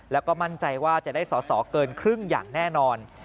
แล้วก็มั่นใจว่าจะได้สอสอเกินครึ่งอย่างแน่นอน